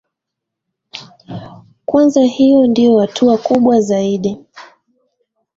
kwanza hiyo ndio hatua kubwa zaidi